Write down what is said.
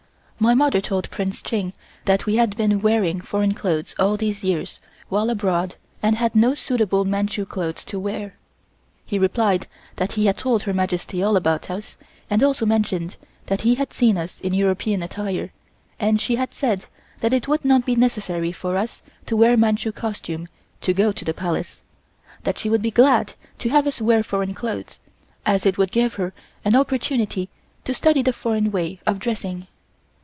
My mother told Prince Ching that we had been wearing foreign clothes all these years, while abroad, and had no suitable Manchu clothes to wear. He replied that he had told Her Majesty all about us and also mentioned that he had seen us in European attire and she had said that it would not be necessary for us to wear Manchu costume to go to the Palace, that she would be glad to have us wear foreign clothes, as it would give her an opportunity to study the foreign way of dressing.